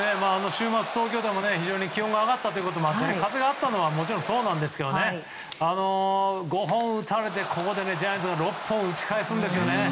週末、東京でも非常に気温が上がったのもあって風があったのはもちろんそうなんですけども５本打たれてここでジャイアンツが６本打ち返す。